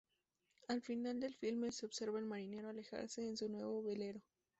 Al final del filme, se observa al marinero alejarse en su nuevo velero.